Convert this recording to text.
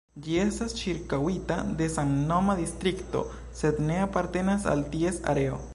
Ĝi estas ĉirkaŭita de samnoma distrikto, sed ne apartenas al ties areo.